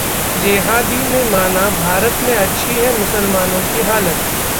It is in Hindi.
जेहादी ने माना- भारत में अच्छी है मुसलमानों की हालत